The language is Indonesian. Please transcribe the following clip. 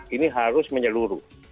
ini harus menyeluruh